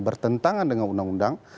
bertentangan dengan undang undang